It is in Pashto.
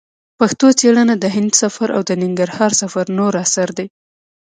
پښتو څېړنه د هند سفر او د ننګرهار سفر نور اثار دي.